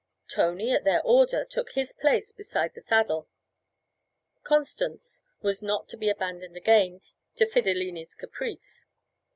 Tony, at their order, took his place beside the saddle; Constance was not to be abandoned again to Fidilini's caprice.